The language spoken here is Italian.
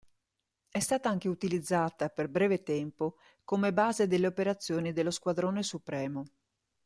È stata anche utilizzata per breve tempo come base delle operazioni dello Squadrone Supremo.